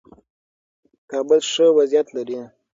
کابل ښه وضعیت لري.